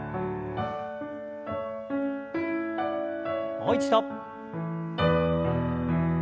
もう一度。